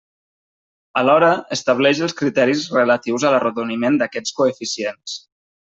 Alhora estableix els criteris relatius a l'arrodoniment d'aquests coeficients.